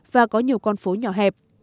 và có nhiều con phố nhỏ hẹp